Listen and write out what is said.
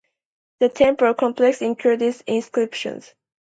The temple complex includes inscriptions.